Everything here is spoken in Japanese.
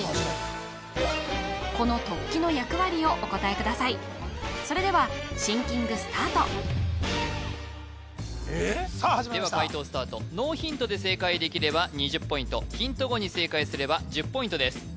この突起の役割をお答えくださいそれではシンキングスタートでは解答スタートノーヒントで正解できれば２０ポイントヒント後に正解すれば１０ポイントです